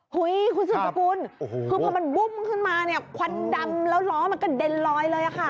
เฮ้ยคุณสุดสกุลคือพอมันบุ้มขึ้นมาเนี่ยควันดำแล้วล้อมันกระเด็นลอยเลยค่ะ